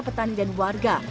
petani dan warga